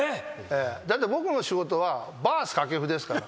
だって僕の仕事はバース掛布ですから。